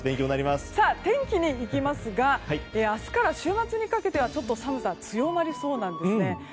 天気にいきますが明日から週末にかけてはちょっと寒さが強まりそうなんですね。